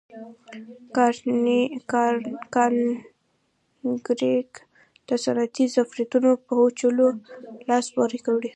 کانکرین د صنعتي ظرفیتونو په وچولو لاس پورې کړ.